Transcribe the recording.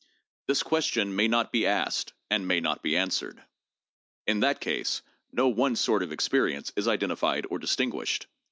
This question may not be asked and may not be answered. In that case no one sort of ex perience is identified or distinguished.